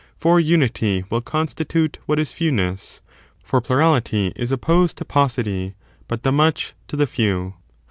For unity will constitute what is fewness ; for plurality is opposed to paucity, but the much to the few.